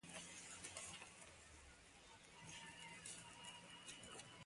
دا د مادیاتو د لېوالتیا بدلولو روښانه بېلګه ده